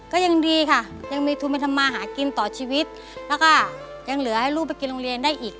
ก็ยังดีค่ะยังมีทุนไปทำมาหากินต่อชีวิตแล้วก็ยังเหลือให้ลูกไปกินโรงเรียนได้อีก